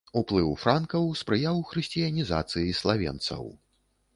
Уплыў франкаў спрыяў хрысціянізацыі славенцаў.